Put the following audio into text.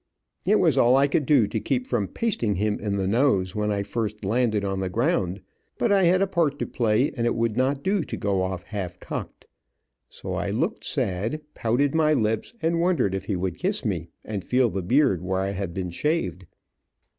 It was all I could do to keep from pasting him in the nose, when I first landed on the ground, but I had a part to play, and it would not do to go off half cocked. So I looked sad, pouted my lips, and wondered if he would kiss me, and feel the beard where I had been shaved.